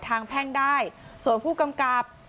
แพ่งได้ส่วนผู้กำกับ